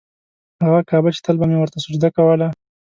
هغه کعبه چې تل به مې ورته سجده کوله.